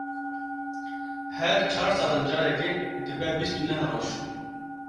Her çar salan carekê dibe bîst û neh roj.